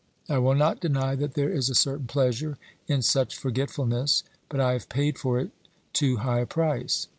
I will not deny that there is a certain pleasure in such forge tfulness, but I have paid for it too high a price.